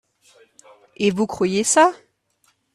Et vous croyez ça ?